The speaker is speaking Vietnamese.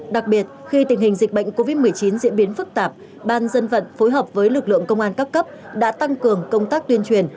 đặc biệt khi tình hình dịch bệnh covid một mươi chín diễn biến phức tạp ban dân vận phối hợp với lực lượng công an các cấp đã tăng cường công tác tuyên truyền